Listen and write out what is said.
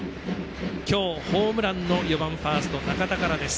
今日、ホームランの４番ファースト中田からです。